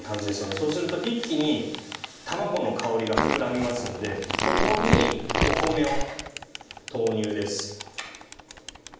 そうすると一気に卵の香りが膨らみますのでここにお米を投入です。